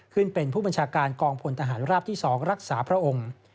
เป็นผู้บัญชาการกองพลทหารราบที่๒รักษาพระองค์